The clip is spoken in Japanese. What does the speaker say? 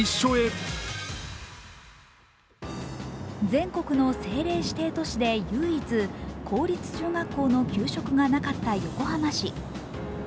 全国の政令指定都市で唯一、公立中学校の給食がなかった横浜市。